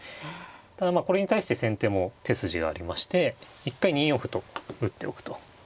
ただこれに対して先手も手筋がありまして一回２四歩と打っておくと。